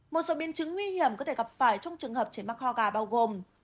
một số biên chứng nguy hiểm có thể gặp phải trong trường hợp trẻ mắc hoa gà bao gồm